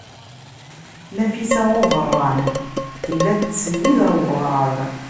Nafisa n Ubeṛṛan tella tettsennid ɣer weɣrab.